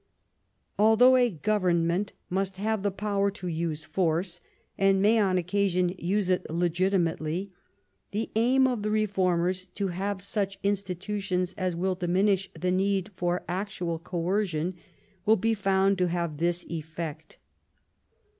Although a government must have the power to use force, and may on occasion use it legitimately, the aim of the reformers to have such institutions as will diminish the need for actual coercion will be found to have this effect.